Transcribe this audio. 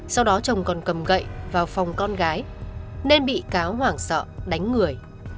sau đó chồng còn cầm gậy vào phòng con gái nên bị cáo hoảng sợ đánh người